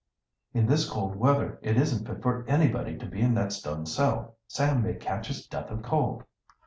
"In this cold weather it isn't fit for anybody to be in that stone cell. Sam may catch his death of cold."